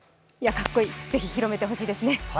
かっこいいぜひ広めてほしいですね。